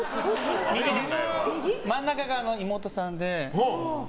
真ん中が妹さんで。